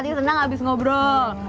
hati senang habis berbual